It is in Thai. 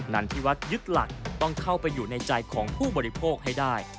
ันที่วัดยึดหลักต้องเข้าไปอยู่ในใจของผู้บริโภคให้ได้